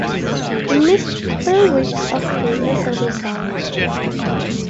He missed three weeks of play as a result.